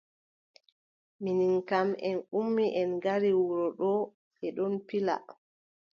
Minin kam en ummi en ngara wuro ɗo. bee ɗon pila.